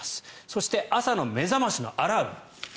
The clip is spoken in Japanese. そして、朝の目覚ましのアラーム